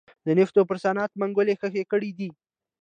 د نفتو پر صنعت منګولې خښې کړې دي.